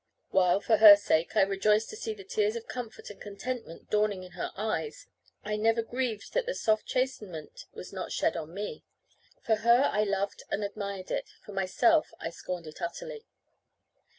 While, for her sake, I rejoiced to see the tears of comfort and contentment dawning in her eyes, I never grieved that the soft chastenment was not shed on me. For her I loved and admired it; for myself I scorned it utterly.